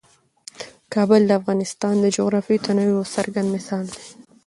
کابل د افغانستان د جغرافیوي تنوع یو څرګند مثال دی.